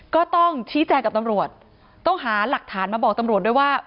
ก็ต้องชี้แจงกับตำรวจต้องหาหลักฐานมาบอกตำรวจด้วยว่า